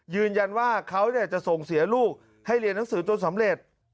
ยืนยันว่าเขาจะส่งเสียลูกให้เรียนหนังสือจนสำเร็จ